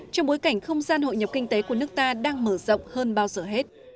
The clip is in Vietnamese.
trong bối cảnh không gian hội nhập kinh tế của nước ta đang mở rộng hơn bao giờ hết